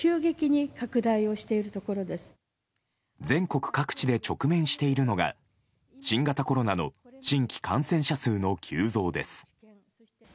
全国各地で直面しているのが新型コロナの新規感染者数の急増です。